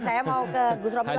saya mau ke gus romel lagi